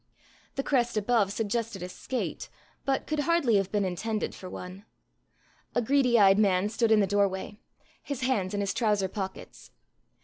The crest above suggested a skate, but could hardly have been intended for one. A greedy eyed man stood in the doorway, his hands in his trouser pockets.